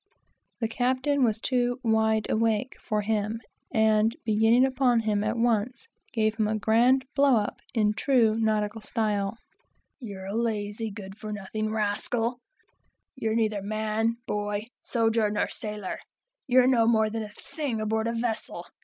The captain was too "wide awake" for him, and beginning upon him at once, gave him a grand blow up, in true nautical style "You're a lazy, good for nothing rascal; you're neither man, boy, soger, nor sailor! you're no more than a thing aboard a vessel!